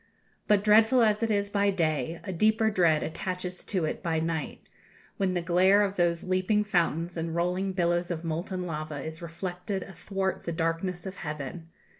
But dreadful as it is by day, a deeper dread attaches to it by night, when the glare of those leaping fountains and rolling billows of molten lava is reflected athwart the darkness of heaven.